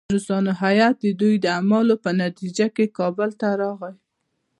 د روسانو هیات د دوی د اعمالو په نتیجه کې کابل ته راغی.